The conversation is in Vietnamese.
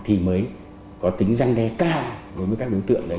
thì mới có tính răng đe cao đối với các đối tượng đấy